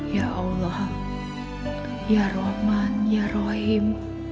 ya allah ya rahman ya rahim